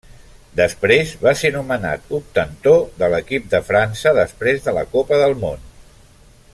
Després va ser nomenat obtentor de l'equip de França després de la Copa del Món.